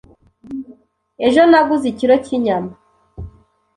Ejo naguze ikiro cyinyama.